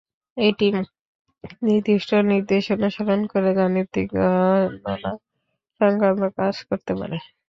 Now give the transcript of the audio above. এটি নির্দিষ্ট নির্দেশ অনুসরণ করে গাণিতিক গণনা সংক্রান্ত কাজ করতে পারে।